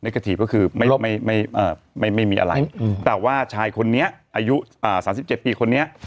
กระถีบก็คือไม่มีอะไรแต่ว่าชายคนนี้อายุ๓๗ปีคนนี้